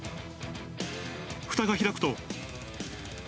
ふたが開くと。